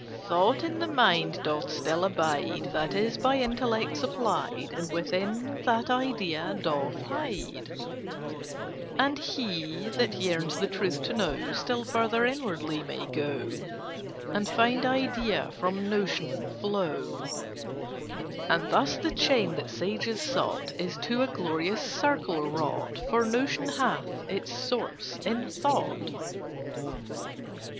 "Thought in the mind doth still abide That is by Intellect supplied, And within that Idea doth hide: "And he, that yearns the truth to know, Still further inwardly may go, And find Idea from Notion flow: "And thus the chain, that sages sought, Is to a glorious circle wrought, For Notion hath its source in Thought."